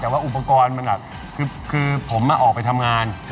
แต่ว่าอุปกรณ์มันแบบคือผมออกไปทำงาน